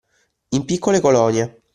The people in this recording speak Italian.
In piccole colonie